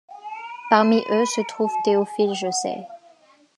Parmi eux se trouve Théophile Jeusset.